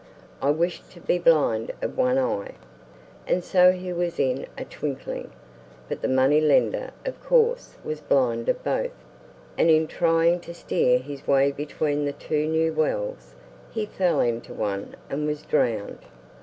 I wish to be blind of one eye!" And so he was in a twinkling, but the money lender of course was blind of both, and in trying to steer his way between the two new wells, he fell into one and was drowned.